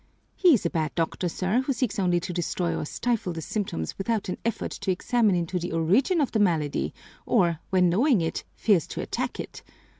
"He is a bad doctor, sir, who seeks only to destroy or stifle the symptoms without an effort to examine into the origin of the malady, or, when knowing it, fears to attack it.